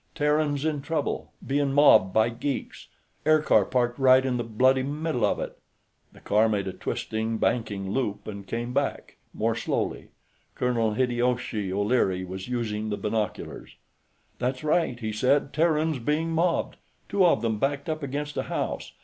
"Terrans in trouble; bein' mobbed by geeks. Aircar parked right in the bloody middle of it." The car made a twisting, banking loop and came back, more slowly. Colonel Hideyoshi O'Leary was using the binoculars. "That's right," he said. "Terrans being mobbed. Two of them, backed up against a house.